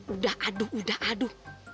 udah aduh udah aduh